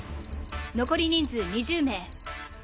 残り人数２０名。